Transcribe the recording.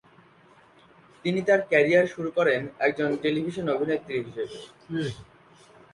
তিনি তার ক্যারিয়ার শুরু করেন একজন টেলিভিশন অভিনেত্রী হিসেবে।